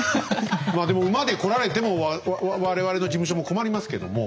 まあでも馬で来られても我々の事務所も困りますけども。